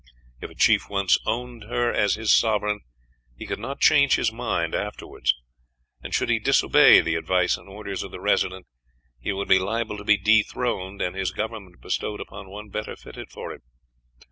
If a chief once owned her as his sovereign, he could not change his mind afterwards; and should he disobey the advice and orders of the Resident, he would be liable to be dethroned, and his government bestowed upon one better fitted for it.